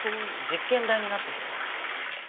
実験台になってくれない？